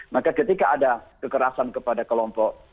maka ketika ada kekerasan kepada kelompok